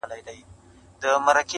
سمدلاه یې و سپي ته قبر جوړ کی,